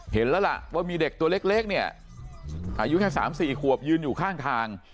เห็นแล้วล่ะว่ามีเด็กตัวเล็กเนี่ยอายุแค่๓๔ขวบยืนอยู่ข้างทาง